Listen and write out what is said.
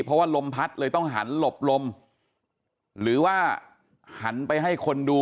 เพราะว่าลมพัดเลยต้องหันหลบลมหรือว่าหันไปให้คนดู